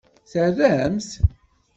Tramt-t?